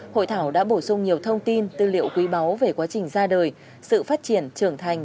hội thảo đã bổ sung nhiều thông tin tư liệu quý báu về quá trình ra đời sự phát triển trưởng thành